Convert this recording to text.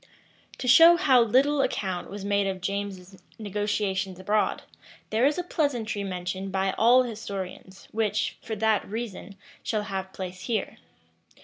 To show how little account was made of James's negotiations abroad, there is a pleasantry mentioned by all historians, which, for that reason, shall have place here.